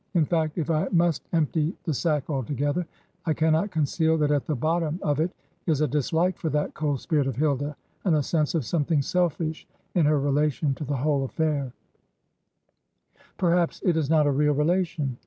In fact, if I must empty the sack altogether, I cannot conceal that at the bottom of it is a dislike for that cold spirit of Hilda and a sense of something selfish in her relation to the whole affair. l88 Digitized by VjOOQIC HAWTHORNE'S MIRIAM AND HILDA Perhaps it is not a real relation.